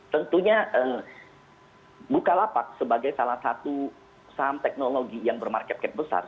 tentunya bukalapak sebagai salah satu saham teknologi yang bermarket cap besar